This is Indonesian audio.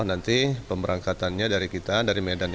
nanti pemberangkatannya dari kita dari medan